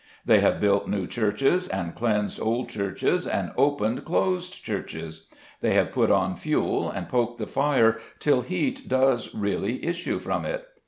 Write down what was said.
They have built new churches, and cleansed old churches, and opened closed churches. They have put on fuel and poked the fire, till heat does really issue from it.